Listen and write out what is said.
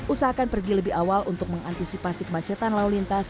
usahakan pergi lebih awal untuk mengantisipasi kemacetan lalu lintas